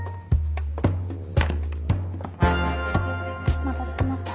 お待たせしました。